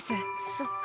そっか。